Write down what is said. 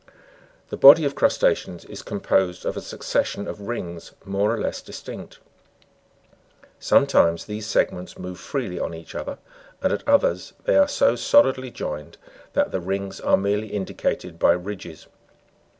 3. The body of crusta'ceans is composed of a succession of rings more or less distinct. Sometimes these segments move freely on each other, and at others they are so solidly joined that the rings are merely indicated by ridges.